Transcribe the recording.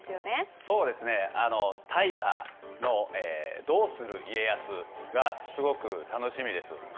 そうですね、大河のどうする家康が、すごく楽しみです。